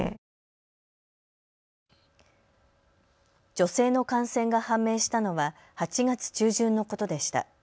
女性の感染が判明したのは８月中旬のことでした。